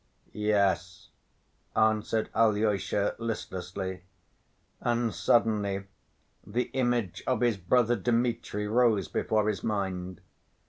"Yes," answered Alyosha listlessly, and suddenly the image of his brother Dmitri rose before his mind.